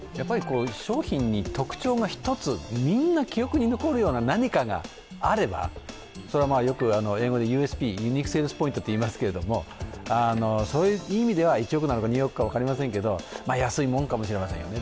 商品に特徴が一つ、みんな記憶に残るような何かがあればそれはよく英語でＵＳＰ、ユニーク・セールス・ポイントと言いますけど、そういう意味では１億なのか２億か分かりませんけれども、安いもんかもしれませんよね。